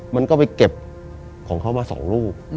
มันก็ไปเก็บของเขามา๒ลูก